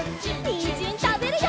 にんじんたべるよ！